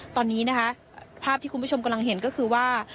ตอนนี้นะคะภาพที่คุณผู้ชมกำลังเห็นก็คือว่า